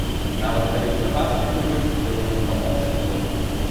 Нават калі ў загашніку ёсць і беларускамоўны твор.